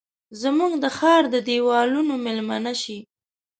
زموږ د ښارد دیوالونو میلمنه شي